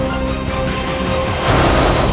saya akan menjaga kebenaran raden